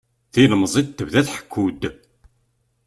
Tilemẓit tebda tḥekku-d.